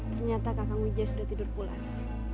ternyata kakak wija sudah tidur pulas